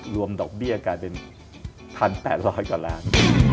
ดอกเบี้ยกลายเป็น๑๘๐๐กว่าล้าน